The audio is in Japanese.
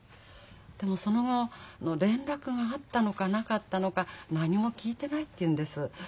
でもその後連絡があったのかなかったのか何も聞いてないって言うんです。